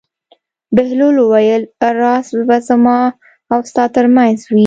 بهلول وویل: راز به زما او ستا تر منځ وي.